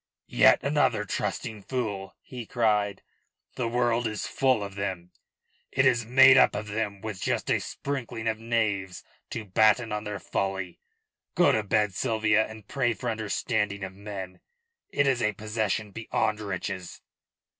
"Yet another trusting fool," he cried. "The world is full of them it is made up of them, with just a sprinkling of knaves to batten on their folly. Go to bed, Sylvia, and pray for understanding of men. It is a possession beyond riches."